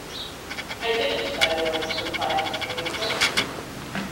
‘I didn’t, my Lord,’ replied Mr. Winkle.